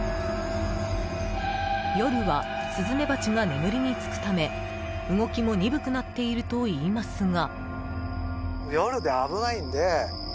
夜は、スズメバチが眠りにつくため動きも鈍くなっているといいますが。